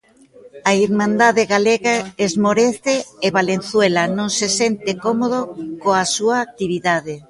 A Irmandade Galega esmorece e Valenzuela non se sente cómodo coa súa actividade.